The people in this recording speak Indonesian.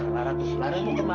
lara tuh lara mau kemana